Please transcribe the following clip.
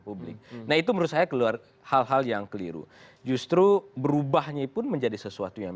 publik nah itu menurut saya keluar hal hal yang keliru justru berubahnya pun menjadi sesuatu yang